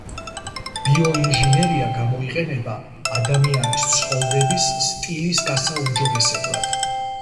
ბიოინჟინერია გამოიყენება ადამიანის ცხოვრების სტილის გასაუმჯობესებლად.